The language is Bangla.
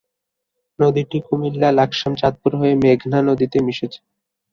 নদীটি কুমিল্লা-লাকসাম চাঁদপুর হয়ে মেঘনা নদীতে মিশেছে।